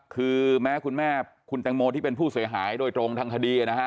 คือแม้คุณแม่คุณแตงโมที่เป็นผู้เสียหายโดยตรงทางคดีนะฮะ